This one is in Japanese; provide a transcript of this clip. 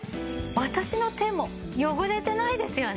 私の手も汚れてないですよね。